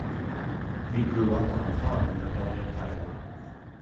He grew up on a farm near Elliott, Iowa.